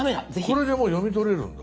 これでもう読み取れるんだ。